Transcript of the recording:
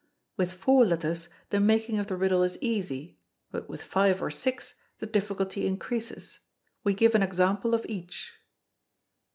With four letters the making of the riddle is easy, but with five or six the difficulty increases. We give an example of each.